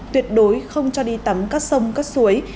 tuyệt đối không cho đi tắm các sông các suối